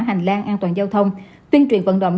hành lang an toàn giao thông tuyên truyền vận động